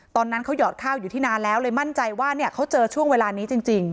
ตอนนั้นเขาหอดข้าวอยู่ที่นานแล้วเลยมั่นใจว่าเนี่ยเขาเจอช่วงเวลานี้จริง